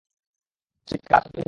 সিটকা, আছো তুমি?